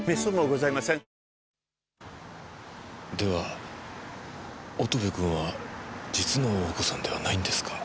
では乙部君は実のお子さんではないんですか？